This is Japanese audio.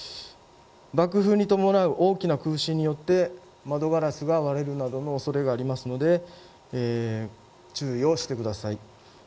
爆風に伴う大きな空振によって窓ガラスが割れるなどの恐れがありますので注意をしてください。